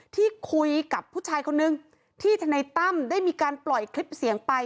ที่คุยกับผู้ชายคนนึงที่ทนายตั้มได้มีการปล่อยคลิปเสียงไป